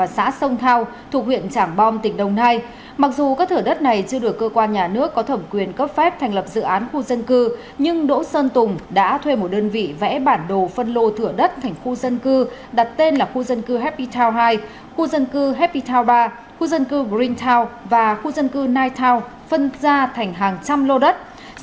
công an tỉnh con tum vừa khởi tố và nhà nước có thẩm quyền cấp phép thành lập dự án khu dân cư nhưng đỗ sơn tùng đã thuê một đơn vị vẽ bản đồ phân lô thửa đất thành khu dân cư đặt tên là khu dân cư happy town hai khu dân cư happy town ba khu dân cư green town và khu dân cư night town phân ra thành hàng trăm lô đất